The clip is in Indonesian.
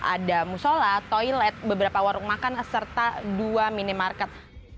ada musola toilet beberapa warung makan serta dua minimarket